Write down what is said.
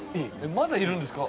まだいるんですか？